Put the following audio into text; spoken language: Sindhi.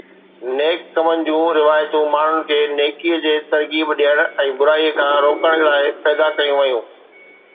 ”نيڪ ڪمن“ جون روايتون ماڻهن کي نيڪيءَ جي ترغيب ڏيڻ ۽ برائيءَ کان روڪڻ لاءِ پيدا ڪيون ويون.